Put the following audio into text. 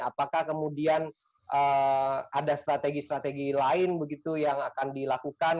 apakah kemudian ada strategi strategi lain begitu yang akan dilakukan